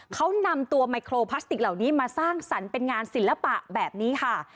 เขานำตัวไมโครพลาสติกเหล่านี้มาสร้างสรรค์เป็นงานศิลปะแบบนี้ค่ะ